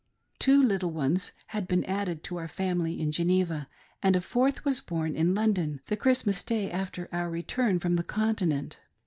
Two little ones had been added to our family in Geneva, and a fourth was born in London, the Christmas day after our return from the Continent.